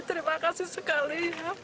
terima kasih sekali